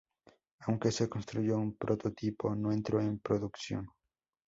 Aunque se construyó un prototipo, no entró en producción.